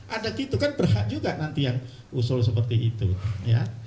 ada gitu kan berhak juga nanti yang usul seperti itu ya